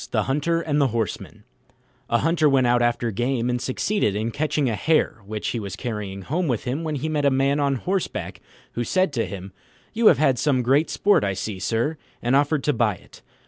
THE HUNTER AND THE HORSEMAN A Hunter went out after game, and succeeded in catching a hare, which he was carrying home with him when he met a man on horseback, who said to him, "You have had some sport I see, sir," and offered to buy it.